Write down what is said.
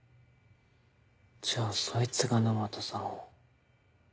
じゃあそいつが沼田さんを。